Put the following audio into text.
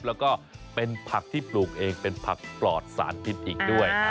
แล้วก็เป็นผักที่ปลูกเองเป็นผักปลอดสารพิษอีกด้วย